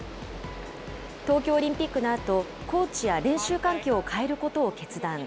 東京オリンピックのあと、コーチや練習環境を変えることを決断。